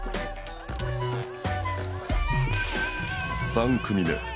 ３組目